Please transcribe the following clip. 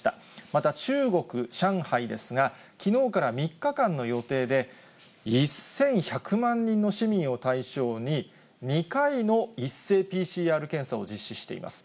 また、中国・上海ですが、きのうから３日間の予定で、１１００万人の市民を対象に、２回の一斉ＰＣＲ検査を実施しています。